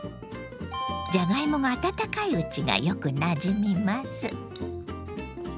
じゃがいもが温かいうちがよくなじみます。